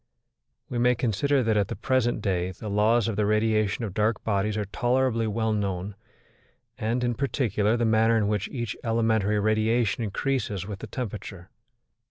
We may consider that at the present day the laws of the radiation of dark bodies are tolerably well known, and, in particular, the manner in which each elementary radiation increases with the temperature.